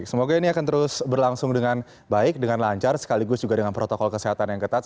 semoga ini akan terus berlangsung dengan baik dengan lancar sekaligus juga dengan protokol kesehatan yang ketat